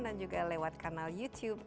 dan juga lewat kanal youtube